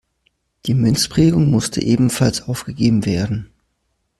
Die Münzprägung musste ebenfalls aufgegeben werden.